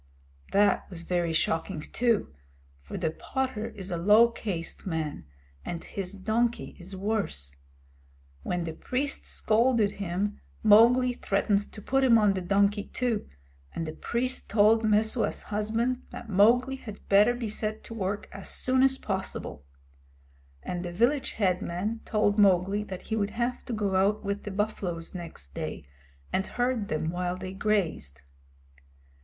That was very shocking, too, for the potter is a low caste man, and his donkey is worse. When the priest scolded him, Mowgli threatened to put him on the donkey too, and the priest told Messua's husband that Mowgli had better be set to work as soon as possible; and the village head man told Mowgli that he would have to go out with the buffaloes next day, and herd them while they grazed.